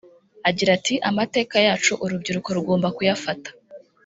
Agira ati “amateka yacu urubyiruko rugomba kuyafata